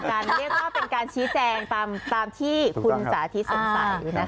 เป็นการชี้แจงตามที่คุณสาธิตสงสัยด้วยนะคะ